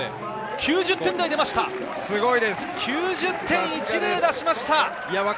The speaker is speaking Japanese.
９０．１０を出しました。